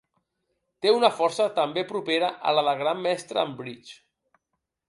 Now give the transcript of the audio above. Té una força també propera a la de Gran Mestre en bridge.